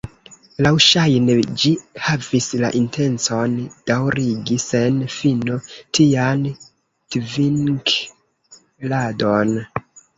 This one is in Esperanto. Laŭŝajne ĝi havis la intencon daŭrigi sen fino tian tvink'ladon.